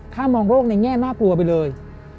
ถ้ามองโลกในแง่น่ากลัวไปเลย